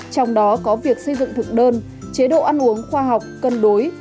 trong đó có việc xây dựng thực đơn chế độ ăn uống khoa học cân đối